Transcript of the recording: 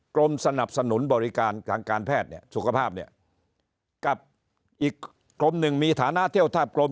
กรมสนับสนุนบริการทางการแพทย์เนี่ยสุขภาพเนี่ยกับอีกกรมหนึ่งมีฐานะเที่ยวทาบกรม